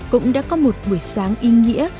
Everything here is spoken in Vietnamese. cũng đã có một buổi sáng y nghĩa